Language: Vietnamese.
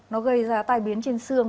nó gây ra tai biến trên xương